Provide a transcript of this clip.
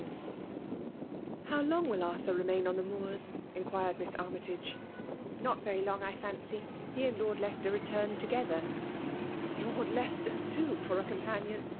L 2 220 FEMALE UOMINATION. ." How long will Arthur remain on the Moors ?" inquired Miss Army tage. "Not very long, I fancy. He and Lord Leicester return together." '' Lord Leicester/ too, for a companion